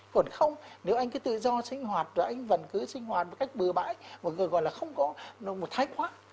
còn không nếu anh cứ tự do sinh hoạt rồi anh vẫn cứ sinh hoạt một cách bừa bãi một người gọi là không có thái khoác